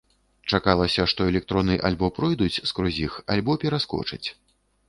Чакалася, што электроны альбо пройдуць скрозь іх, альбо пераскочаць.